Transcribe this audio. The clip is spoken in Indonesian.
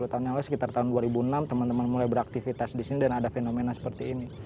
sepuluh tahun yang lalu sekitar tahun dua ribu enam teman teman mulai beraktivitas di sini dan ada fenomena seperti ini